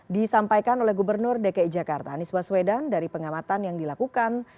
disampaikan oleh gubernur dki jakarta anies baswedan dari pengamatan yang dilakukan